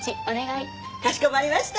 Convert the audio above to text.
かしこまりました。